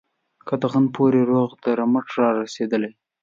قطغن پوري روغ رمټ را رسېدلی یې.